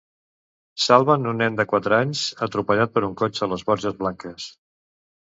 Salven un nen de quatre anys atropellat per un cotxe a les Borges Blanques.